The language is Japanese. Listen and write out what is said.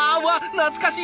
懐かしい！